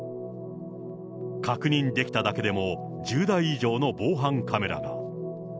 確認できただけでも１０台以上の防犯カメラが。